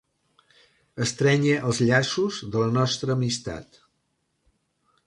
Estrènyer els llaços de la nostra amistat.